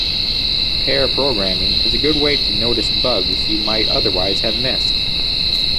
Pair programming is a good way to notice bugs you might otherwise have missed.